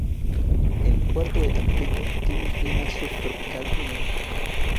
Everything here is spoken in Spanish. El Puerto de Tampico tiene un clima subtropical húmedo.